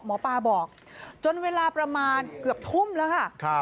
หมอปลาบอกจนเวลาประมาณเกือบทุ่มแล้วค่ะ